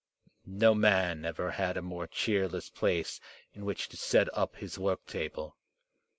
No man ever had a more cheerless place in which to set up his work table.